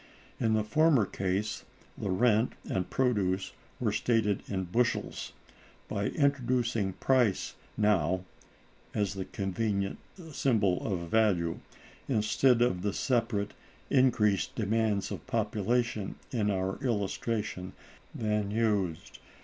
In the former case the rent and produce were stated in bushels. By introducing price now (as the convenient symbol of value), instead of the separate increased demands of population in our illustration than used (p.